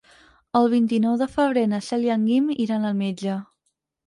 El vint-i-nou de febrer na Cel i en Guim iran al metge.